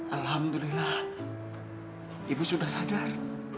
alhamdulillah ibu sudah sadar